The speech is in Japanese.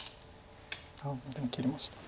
でも切りました。